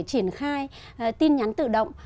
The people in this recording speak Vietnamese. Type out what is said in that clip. triển khai tin nhắn tự động